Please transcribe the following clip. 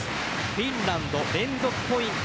フィンランド、連続ポイント。